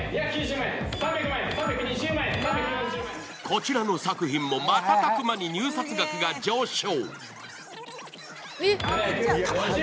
こちらの作品も瞬く間に入札額が上昇。